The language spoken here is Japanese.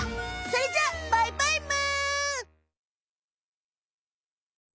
それじゃあバイバイむ！